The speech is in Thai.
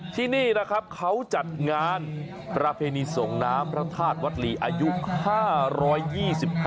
ที่นี่นะครับเขาจัดงานประเพณีส่งน้ำพระธาตุวัดหลีอายุ๕๒๕